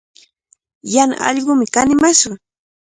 Yana allqumi kanimashqa.